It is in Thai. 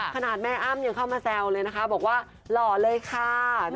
ขนาดแม่อ้ำยังเข้ามาแซวเลยนะคะบอกว่าหล่อเลยค่ะ